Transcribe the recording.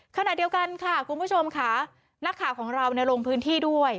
ขณะเดียวกันค่ะคุณผู้ชมค่ะนักข่าวของเราลงพื้นที่ด้วย